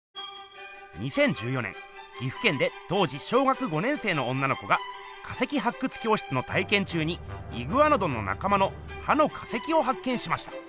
２０１４年岐阜県で当時小学５年生の女の子が化石発掘教室の体験中にイグアノドンのなか間の歯の化石を発見しました。